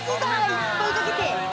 いっぱいかけて。